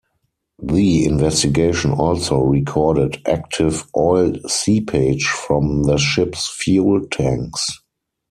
The investigation also recorded active oil seepage from the ship's fuel tanks.